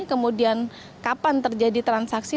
kemudian kapan terjadi transaksi